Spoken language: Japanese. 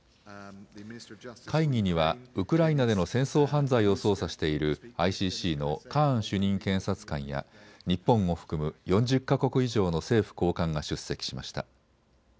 会議にはウクライナでの戦争犯罪を捜査しているＩＣＣのカーン主任検察官や日本を含む４０か国以上の政府高官が出席しました。